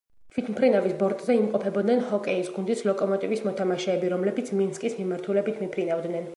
თვითმფრინავის ბორტზე იმყოფებოდნენ ჰოკეის გუნდის „ლოკომოტივის“ მოთამაშეები, რომლებიც მინსკის მიმართულებით მიფრინავდნენ.